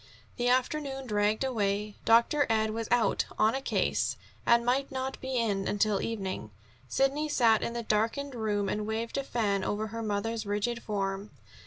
The afternoon dragged away. Dr. Ed was out "on a case" and might not be in until evening. Sidney sat in the darkened room and waved a fan over her mother's rigid form.